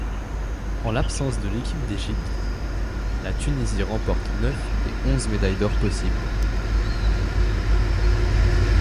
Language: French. En l'absence de l'équipe d'Égypte, la Tunisie remporte neuf des onze médailles d'or possibles.